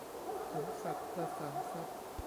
สมศักดิ์ ประสานทรัพย์